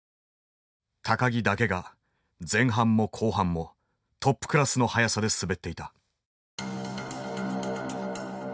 木だけが前半も後半もトップクラスの速さで滑っていた。